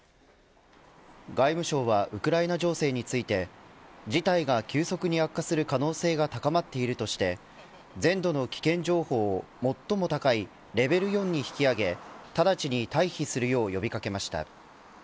外務省はウクライナ情勢について事態が急速に悪化する可能性が高まっているとして全土の危険情報を最も高いレベル４に引き上げ直ちに退避するよう呼び掛けました。